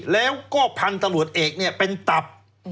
แล้วก็พันธุ์ตำรวจเอกเนี่ยเป็นตับ